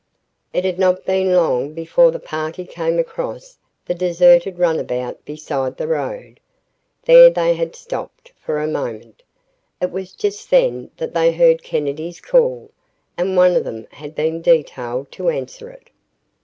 It had not been long before the party came across the deserted runabout beside the road. There they had stopped, for a moment. It was just then that they heard Kennedy's call, and one of them had been detailed to answer it.